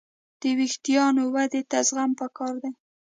د وېښتیانو ودې ته زغم پکار دی.